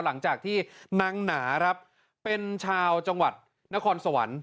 หลังจากที่นางหนาครับเป็นชาวจังหวัดนครสวรรค์